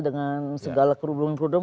dengan segala kerubung kerubung